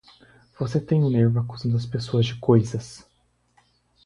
Você tem um nervo acusando as pessoas de coisas!